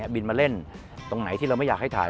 บินมาเล่นตรงไหนที่เราไม่อยากให้ถ่าย